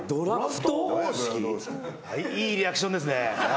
いいリアクションですね。